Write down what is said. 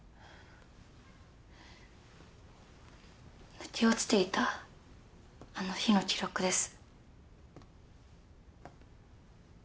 抜け落ちていたあの日の記録です。